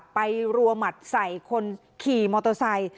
รัวหมัดใส่คนขี่มอเตอร์ไซค์